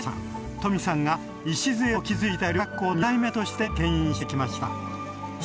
トミさんが礎を築いた料理学校の２代目としてけん引してきました